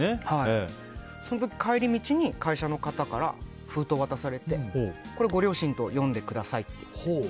その時、帰り道に会社の方から封筒を渡されてこれご両親と読んでくださいって。